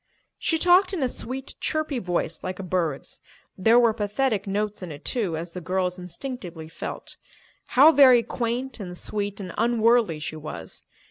She talked in a sweet, chirpy voice like a bird's. There were pathetic notes in it, too, as the girls instinctively felt. How very quaint and sweet and unworldly she was!